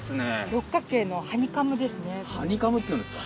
六角形のハニカムですね。